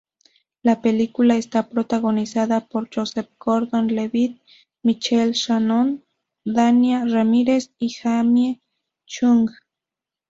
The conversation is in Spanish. La película está protagonizada por Joseph Gordon-Levitt, Michael Shannon, Dania Ramírez y Jamie Chung.